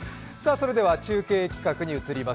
それでは中継企画に移ります。